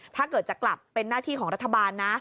ถ้าเกิดจะกลับเป็นหน้าที่ของรัฐบาลนะ